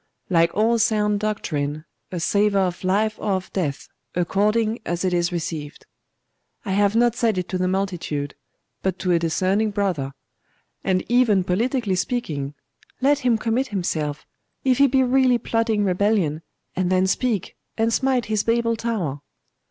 'Like all sound doctrine a savour of life or of death, according as it is received. I have not said it to the multitude, but to a discerning brother. And even politically speaking let him commit himself, if he be really plotting rebellion, and then speak, and smite his Babel tower.